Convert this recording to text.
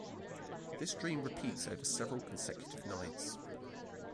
This dream repeats over several consecutive nights.